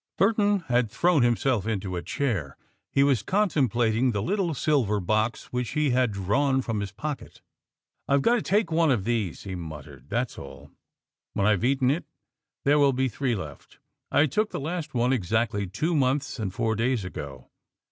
Burton had thrown himself into a chair. He was contemplating the little silver box which he had drawn from his pocket. "I've got to take one of these," he muttered, "that's all. When I have eaten it, there will be three left. I took the last one exactly two months and four days ago.